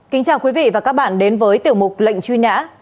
kính chào quý vị và các bạn đến với tiểu mục lệnh truy nã